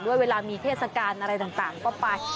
เวลามีเทศกาลอะไรต่างก็ไป